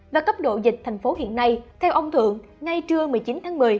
và cấp độ dịch tp hcm hiện nay theo ông thượng ngay trưa một mươi chín tháng một mươi